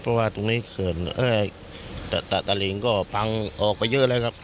เพราะว่าตรงนี้เขื่อนตะหลิงก็พังออกไปเยอะแล้วครับ